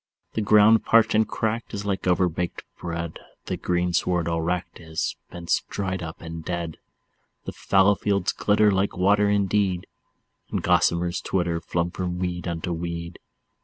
The ground parched and cracked is like overbaked bread, The greensward all wracked is, bents dried up and dead. The fallow fields glitter like water indeed, And gossamers twitter, flung from weed unto weed.